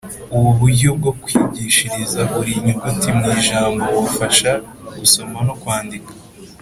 ubu buryo bwo kwigishiriza buri nyuguti mu ijambo bufasha gusoma no kwandika